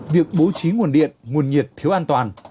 việc bố trí nguồn điện nguồn nhiệt thiếu an toàn